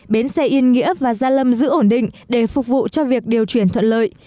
bến xe yên nghĩa và gia lâm giữ ổn định để phục vụ cho việc điều chuyển thuận lợi